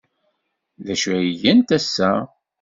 D acu ay gant ass-a?